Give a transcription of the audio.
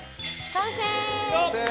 完成！